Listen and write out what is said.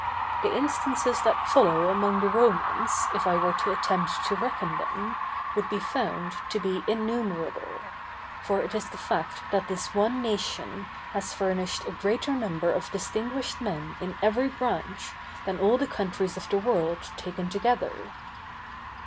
The instances that follow among the Romans, if I were to attempt to reckon them, would be found to be innumerable; for it is the fact that this one nation has furnished a greater number of distinguished men in every branch than all the countries of the world taken together.